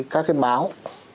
các cái báo